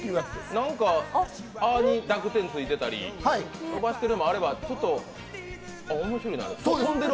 何か「あ」に濁点ついてたり、伸ばしているのもあれば、面白いな。